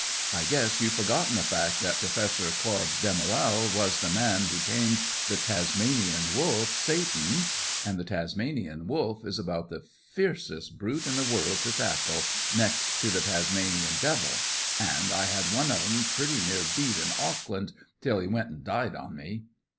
"I guess you've forgotten the fact that Professor Claude Damarel was the man who tamed the Tasmanian Wolf, Satan; and the Tasmanian Wolf is about the fiercest brute in the world to tackle, next to the Tasmanian Devil; an' I had one o' them pretty near beat in Auckland, till he went an' died on me.